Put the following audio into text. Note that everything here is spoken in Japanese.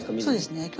そうですね。